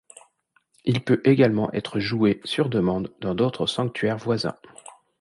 Il peut également être joué, sur demande, dans d’autres sanctuaires voisins.